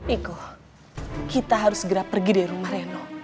eko kita harus segera pergi dari rumah reno